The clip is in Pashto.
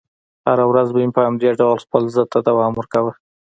هره ورځ به مې په همدې ډول خپل ضد ته دوام ورکاوه.